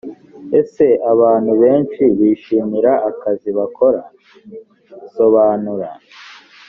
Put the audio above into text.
ese abantu benshi bishimira akazi bakora? sobanura